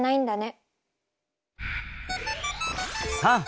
さあ